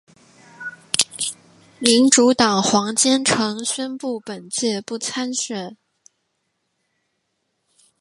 民主党黄坚成宣布本届不参选。